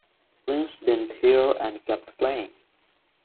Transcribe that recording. Linz didn't hear and kept playing.